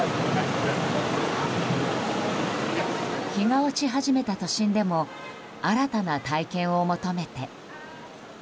日が落ち始めた都心でも新たな体験を求めて。